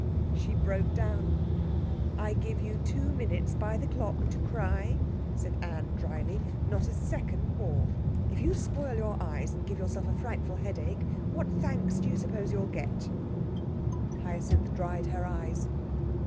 She broke down. "I give you two minutes by the clock to cry," said Anne dryly, "not a second more. If you spoil your eyes and give yourself a frightful headache, what thanks do you suppose you'll get?" Hyacinth dried her eyes.